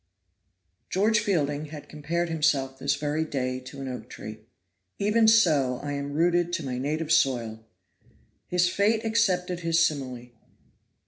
George Fielding had compared himself this very day to an oak tree, "Even so am I rooted to my native soil." His fate accepted his simile.